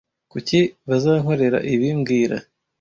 Kuki bazankorera ibi mbwira